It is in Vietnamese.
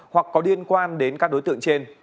hoặc có liên quan đến các đối tượng trên